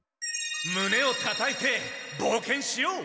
胸をたたいて冒険しよう。